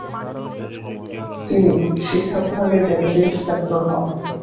তিনি শিক্ষা বিভাগের ডেপুটি ইন্সপেক্টর হন ।